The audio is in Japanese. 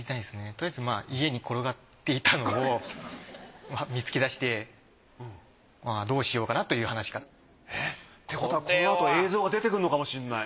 とりあえずまあ家に転がっていたのを見つけ出してどうしようかなという話から。ってことはこのあと映像が出てくるのかもしれない。